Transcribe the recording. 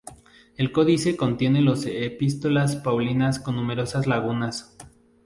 El codice contiene los Epístolas paulinas con numerosas lagunas.